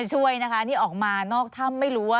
ตรงนี้ใช่ไหมครับ